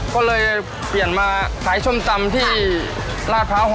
ก็เลยเปลี่ยนมาขายส้มตำที่ลาดพร้าว๖